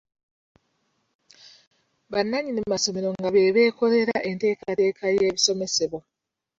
Bannannyini masomero nga be beekolera enteekateeka y’ebisomesebwa.